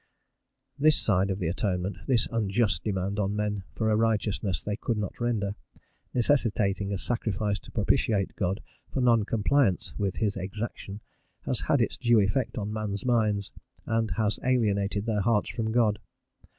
This side of the Atonement, this unjust demand on men for a righteousness they could not render, necessitating a sacrifice to propitiate God for non compliance with his exaction, has had its due effect on men's minds, and has alienated their hearts from God.